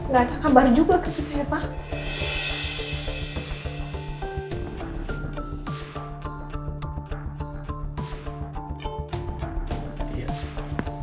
gak ada kabar juga ke nino pak